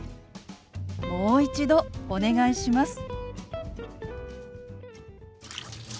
「もう一度お願いします」。